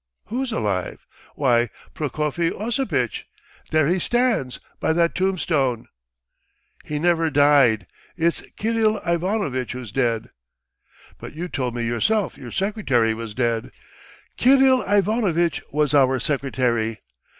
"Who's alive?" "Why, Prokofy Osipitch, there he stands, by that tombstone!" "He never died! It's Kirill Ivanovitch who's dead." "But you told me yourself your secretary was dead." "Kirill Ivanovitch was our secretary.